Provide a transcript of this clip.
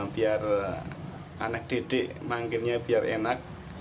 biar anak didik mangkirnya biar enak